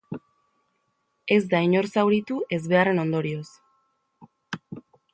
Ez da inor zauritu ezbeharraren ondorioz.